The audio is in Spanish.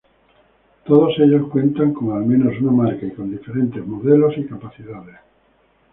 Todos ellos cuentan con al menos una marca y con diferentes modelos y capacidades.